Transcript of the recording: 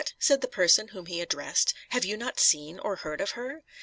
said the person whom he addressed, "have you never seen or heard of her?